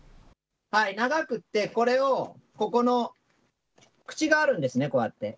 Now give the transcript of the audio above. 長くって、これを、ここの、口があるんですね、こうやって。